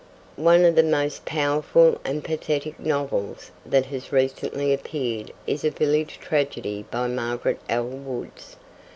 One of the most powerful and pathetic novels that has recently appeared is A Village Tragedy by Margaret L. Woods.